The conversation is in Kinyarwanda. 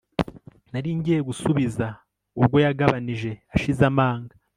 Nari ngiye gusubiza ubwo yagabanije ashize amanga